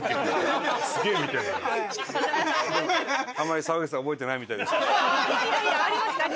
あんまり沢口さん覚えてないみたいですけど。